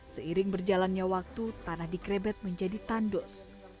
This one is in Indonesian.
seiring berjalannya waktu tanah di krebet menjadi tandus